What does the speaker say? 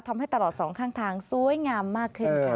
ทำให้ตลอดสองข้างทางสวยงามมากขึ้นค่ะ